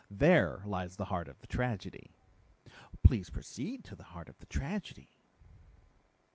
There lies the heart of the tragedy." "Please proceed to the heart of the tragedy."